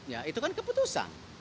ya itu kan keputusan